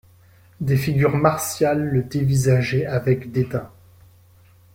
Des figures martiales le dévisageaient avec dédain.